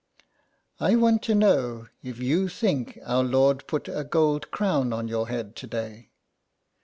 '' I want to know if you think Our Lord put a gold crown on your head to day."